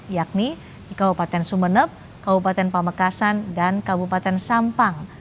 yakni di kabupaten sumeneb kabupaten pamekasan dan kabupaten sampang